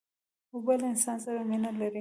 اوبه له انسان سره مینه لري.